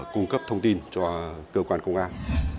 cung cấp thông tin cho cơ quan công an